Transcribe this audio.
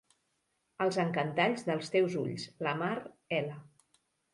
Els encantalls dels teus ulls: la mar, ela!...